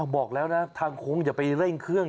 บอกแล้วนะทางโค้งอย่าไปเร่งเครื่อง